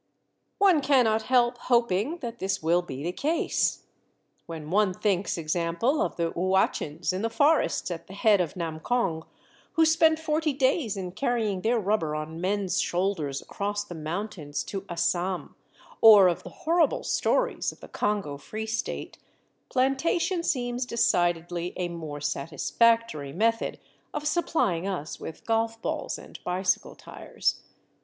One cannot help hoping that this will be the case. When one thinks, e.g., of the Uachins in the forests at the head of Namkong, who spend forty days in carrying their rubber on men's shoulders across the mountains to Assam, or of the horrible stories of the Congo Free State, plantation seems decidedly a more satisfactory method of supplying us with golf balls and bicycle tyres.